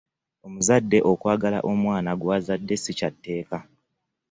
omuzadde okwagala omwana gw'azadde si kya tteeka.